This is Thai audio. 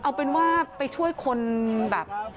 เอาเป็นว่าไปช่วยคนแบบ